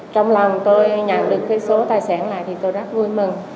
trong lòng tôi nhận được cái số tài sản này thì tôi rất vui mừng